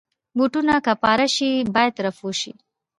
بوټونه که پاره شي، باید رفو شي.